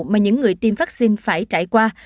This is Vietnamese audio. mà những người tiêm vaccine phải trải qua